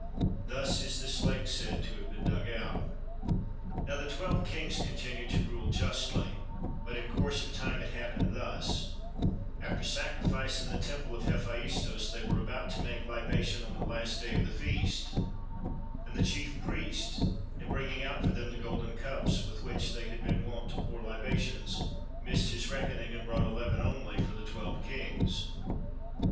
Thus is this lake said to have been dug out. Now the twelve kings continued to rule justly, but in course of time it happened thus: After sacrifice in the temple of Hephaistos they were about to make libation on the last day of the feast, and the chief priest, in bringing out for them the golden cups with which they had been wont to pour libations, missed his reckoning and brought eleven only for the twelve kings.